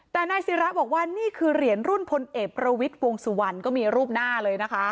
แต่นายศิราบอกว่านี่คือเหรียญรุ่นพลเอกประวิทย์วงสุวรรณก็มีรูปหน้าเลยนะคะ